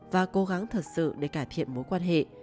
và cố gắng thật sự để cải thiện mối quan hệ